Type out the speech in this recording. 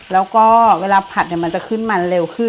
แล้วก็เวลาผัดมันจะขึ้นมันเร็วขึ้น